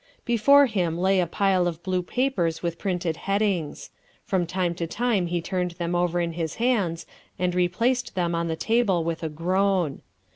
Before him lay a pile of blue papers with printed headings. From time to time he turned them over in his hands and replaced them on the table with a groan.